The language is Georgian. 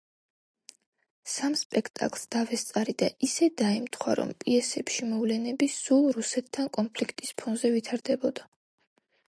სამ სპექტაკლს დავესწარი და ისე დაემთხვა, რომ პიესებში მოვლენები სულ რუსეთთან კონფლიქტის ფონზე ვითარდებოდა.